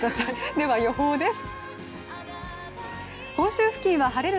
では、予報です。